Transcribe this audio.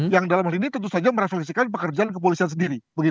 yang dalam hal ini tentu saja merefleksikan pekerjaan kepolisian sendiri